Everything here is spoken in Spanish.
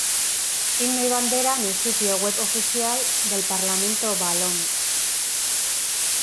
Himno y bandera en el sitio web oficial del Parlamento valón.